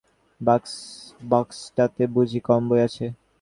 না জানুক, তাহার সেই টিনের বাক্সটাতে বুঝি কম বই আছে?